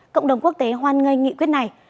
cộng đồng quốc tế hoan nghênh nghị quyết này